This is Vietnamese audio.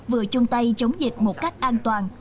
vừa chung tay chống dịch một cách an toàn